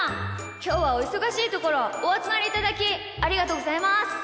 きょうはおいそがしいところおあつまりいただきありがとうございます。